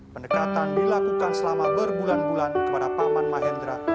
pendekatan dilakukan selama berbulan bulan kepada paman mahendra